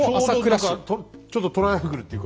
ちょうど何かちょっとトライアングルっていうか。